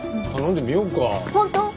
本当？